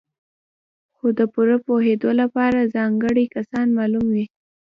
خو د پوره پوهېدو لپاره ځانګړي کسان معلوم وي.